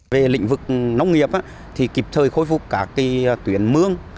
về lĩnh vực nông nghiệp thì kịp thời khôi phục các tuyến mương